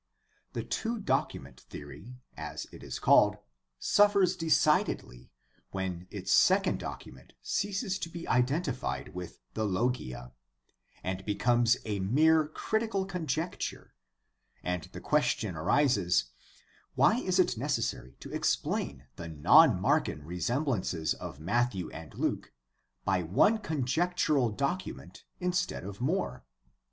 The two document theory, as it is called, suffers decidedly when its second document ceases to be identified with the Logia, and becomes a mere critical conjecture, and the question arises, Why is it necessary to explain the non Markan resemblances of Matthew and Luke by one con jectural docimient instead of more